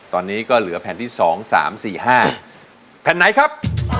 ตอนนี้ก็เหลือแผ่นที่สองสามสี่ห้าแผ่นไหนครับ